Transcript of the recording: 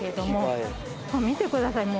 見てください。